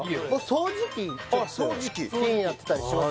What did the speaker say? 掃除機気になってたりします